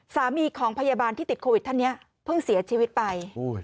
สามีของพยาบาลที่ติดโควิดท่านนี้เพิ่งเสียชีวิตไป